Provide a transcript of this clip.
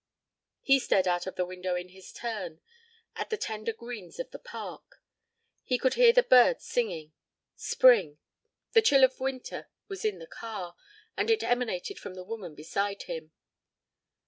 He stared out of the window in his turn at the tender greens of the Park. He could hear the birds singing. Spring! The chill of winter was in the car, and it emanated from the woman beside him.